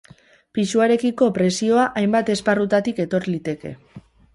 Pisuarekiko presioa hainbat esparrutatik etor liteke.